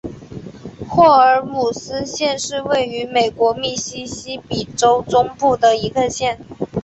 霍尔姆斯县是位于美国密西西比州中部的一个县。